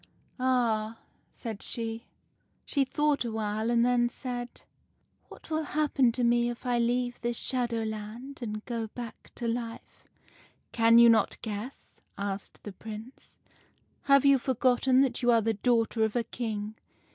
"' Ah !' said she. "She thought awhile, and then said, —"' What will happen to me if I leave this Shadowland, and go back to life ?'"' Can you not guess ?' asked the Prince. ' Have you forgotten that you are the daughter of a King?